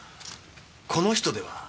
この人では？